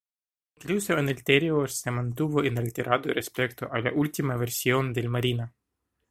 Incluso el interior se mantuvo inalterado respecto a la última versión del Marina.